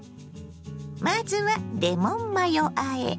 まずはレモンマヨあえ。